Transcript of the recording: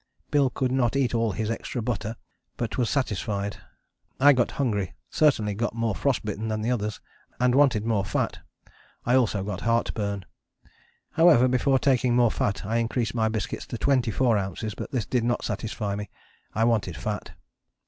Bill could not eat all his extra butter, but was satisfied. I got hungry, certainly got more frost bitten than the others, and wanted more fat. I also got heartburn. However, before taking more fat I increased my biscuits to 24 oz., but this did not satisfy me; I wanted fat.